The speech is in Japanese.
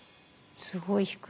すごい低いな。